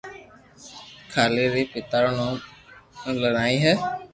ڪالي ري پيتا رو نوم نائي ھي